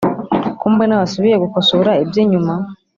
Kombona wasubiye gukosora ibyinyuma